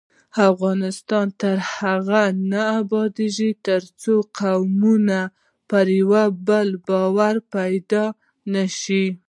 افغانستان تر هغو نه ابادیږي، ترڅو د قومونو پر یو بل باور پیدا نشي.